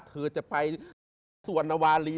เธอจะไปสวนวาลี